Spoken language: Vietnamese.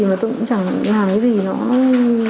mà tôi cũng chẳng làm cái gì nó ấy cả